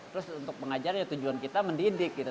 terus untuk pengajarnya tujuan kita mendidik gitu